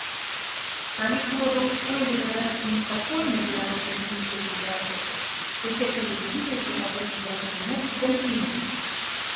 Калі холадаўстойлівыя расліны спакойна пераносяць нізкую тэмпературу, то цеплалюбівыя пры такой тэмпературы могуць загінуць.